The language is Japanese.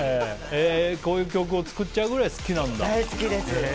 こういう曲を作っちゃうくらい好きなんだ。